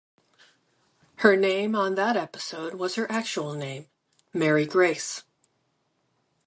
Her name on that episode was her actual name, Mary Grace.